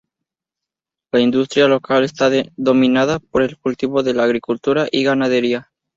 La industria local está dominada por el cultivo de la agricultura y ganadería.